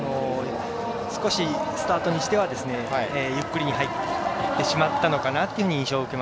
スタートにしてはゆっくり入ってしまったのかなと。